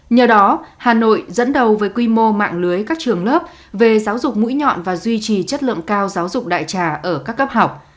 nhờ đó hà nội dẫn đầu với quy mô mạng lưới các trường lớp về giáo dục mũi nhọn và duy trì chất lượng cao giáo dục đại trà ở các cấp học